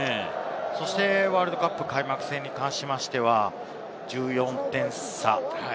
そしてワールドカップの開幕戦に関しては１４点差。